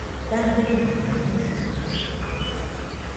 Dabemona maɨjitɨkaɨ